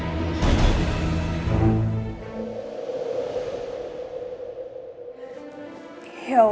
abah tau engkau maha tau